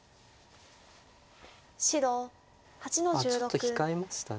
あっちょっと控えました。